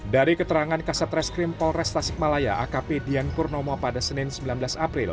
dari keterangan kasat reskrim polres tasikmalaya akp dian purnomo pada senin sembilan belas april